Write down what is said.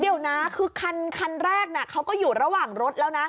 เดี๋ยวนะคือคันแรกเขาก็อยู่ระหว่างรถแล้วนะ